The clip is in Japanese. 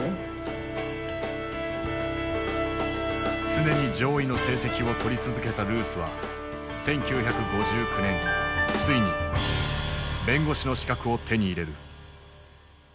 常に上位の成績を取り続けたルースは１９５９年ついに弁護士の資格を手に入れる。